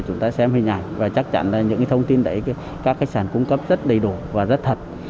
chúng ta xem hình ảnh và chắc chắn là những thông tin đấy các khách sạn cung cấp rất đầy đủ và rất thật